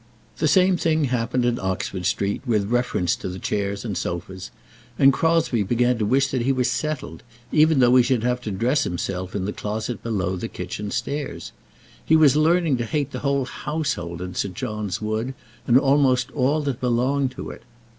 The same thing happened in Oxford Street with reference to the chairs and sofas, and Crosbie began to wish that he were settled, even though he should have to dress himself in the closet below the kitchen stairs. He was learning to hate the whole household in St. John's Wood, and almost all that belonged to it.